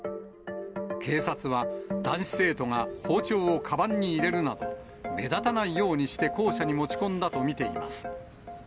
警察は、男子生徒が包丁をかばんに入れるなど、目立たないようにして校舎に持ち込んだと見ています。